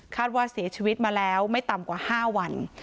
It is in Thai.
ว่าเสียชีวิตมาแล้วไม่ต่ำกว่า๕วัน